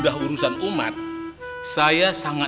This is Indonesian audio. dapet berapa gram ya bang